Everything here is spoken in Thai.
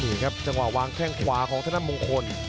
นี่ครับจังหวะวางแข้งขวาของธนมงคล